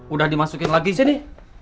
udah dimasukin lagi sini